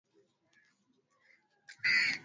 mtaalamu anatakiwa kuhusika kwenye mahojiano ya misingi